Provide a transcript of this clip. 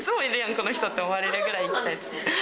この人って思われるぐらい行きたいですね。